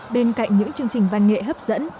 bên cạnh những chương trình văn nghệ hấp dẫn